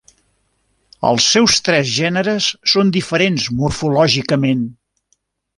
Els seus tres gèneres són diferents morfològicament.